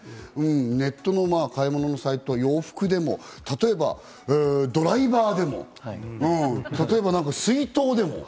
ネットの買い物のサイト、洋服でも例えばドライバーでも、例えば水筒でも。